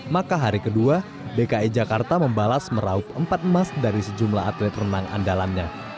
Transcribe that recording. maka hari kedua dki jakarta membalas meraup empat emas dari sejumlah atlet renang andalannya